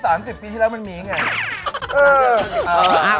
น่าจะคิดว่า๓๐ปีที่แล้วมันมีไง